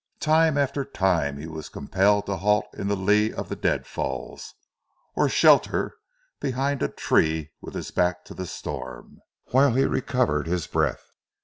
Time after time he was compelled to halt in the lee of the deadfalls, or shelter behind a tree with his back to the storm, whilst he recovered breath.